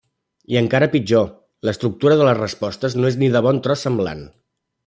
I encara pitjor, l'estructura de les respostes no és ni de bon tros semblant.